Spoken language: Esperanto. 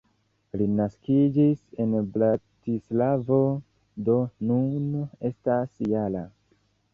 Li naskiĝis en Bratislavo, do nun estas -jara.